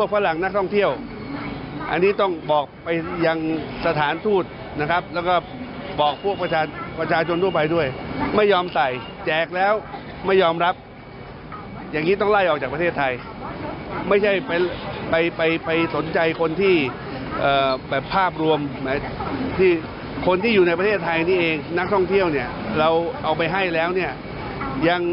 ฟังก่อนไหมฟังสักหน่อย